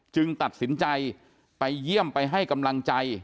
ตัดสินใจไปเยี่ยมไปให้กำลังใจ